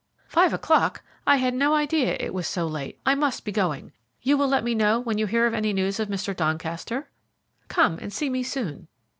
Five o'clock! I had no idea it was so late. I must be going. You will let me know when you hear any news of Mr. Doncaster? Come and see me soon."